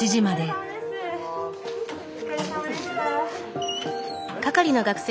お疲れさまでした。